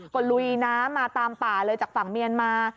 ก็ลุยน้ำมาตามป่าเลยจากฝั่งเมียนมา